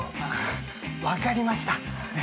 ◆分かりました。